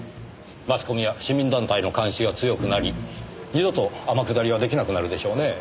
マスコミや市民団体の監視が強くなり二度と天下りは出来なくなるでしょうねぇ。